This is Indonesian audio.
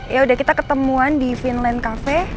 yaudah kita ketemuan di vinland cafe